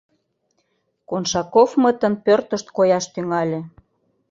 Коншаковмытын пӧртышт кояш тӱҥале.